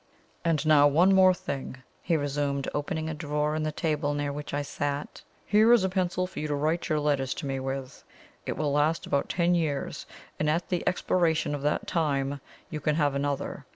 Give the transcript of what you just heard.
"And now one thing more," he resumed, opening a drawer in the table near which he sat. "Here is a pencil for you to write your letters to me with. It will last about ten years, and at the expiration of that time you can have another.